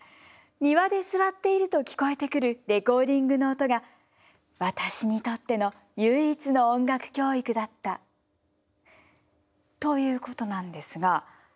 庭で座っていると聞こえてくるレコーディングの音が私にとっての唯一の音楽教育だった」。ということなんですが。